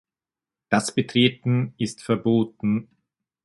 Das Betreten ist verboten.